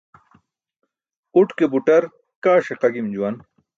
Uṭ ke buṭar kaa ṣiqa gim juwan.